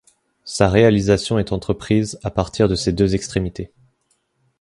Sa réalisation est entreprise à partir de ses deux extrémités.